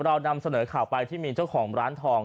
เรานำเสนอข่าวไปที่มีเจ้าของร้านทอง